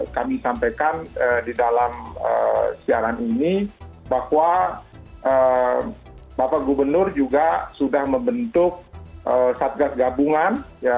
disampaikan di dalam siaran ini bahwa bapak gubernur juga sudah membentuk satgas gabungan